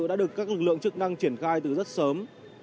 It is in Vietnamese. đã được các lực lượng chức năng triển khai từ rất sớm